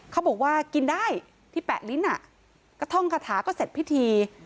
เขาบอกว่ากินได้ที่๘ลิ้นกระท่องคาถาก็เสร็จพิธี